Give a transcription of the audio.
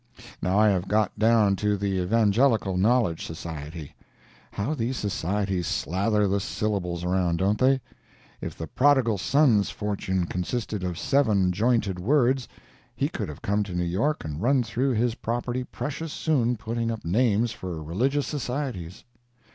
Now I have got down to the Evangelical Knowledge Society. (How these Societies slather the syllables around, don't they? If the Prodigal Son's fortune consisted of seven jointed words, he could have come to New York and run through his property precious soon putting up names for religious Societies.)